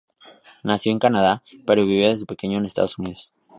Nació en Canadá, pero vivió desde pequeño en Estados Unidos.